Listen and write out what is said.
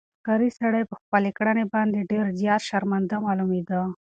ښکاري سړی په خپلې کړنې باندې ډېر زیات شرمنده معلومېده.